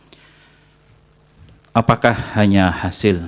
jelas tadi dalam paparan saya saya sampaikan bahwa tidak terbatas pada hasil